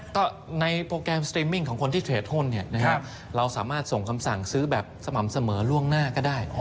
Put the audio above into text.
ก็ในโปรแกรมสตรีมมิ่งของคนที่เทรดหุ้นเราสามารถส่งคำสั่งซื้อแบบสม่ำเสมอล่วงหน้าก็ได้